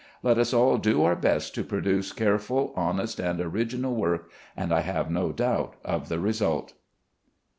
Let us all do our best to produce careful, honest, and original work, and I have no doubt of the result.